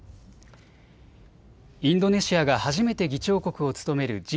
インドネシアが初めて議長国を務めるＧ２０・